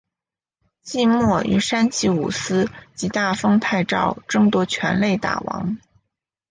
季末与山崎武司及大丰泰昭争夺全垒打王。